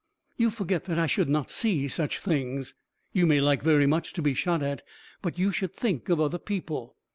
"You forget that I should not see such things. You may like very much to be shot at; but but you should think of other people."